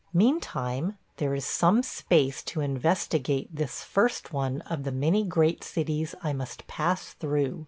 Meantime there is some space to investigate this first one of the many great cities I must pass through.